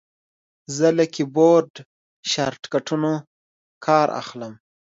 زه له کیبورډ شارټکټونو کار اخلم.